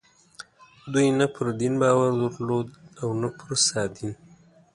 دوی نه پر دین باور درلود او نه پر سادین.